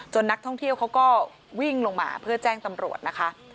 นักท่องเที่ยวเขาก็วิ่งลงมาเพื่อแจ้งตำรวจนะคะ